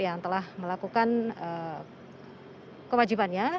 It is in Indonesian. yang telah melakukan kewajibannya